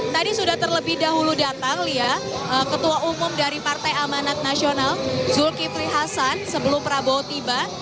tadi sudah terlebih dahulu datang lia ketua umum dari partai amanat nasional zulkifli hasan sebelum prabowo tiba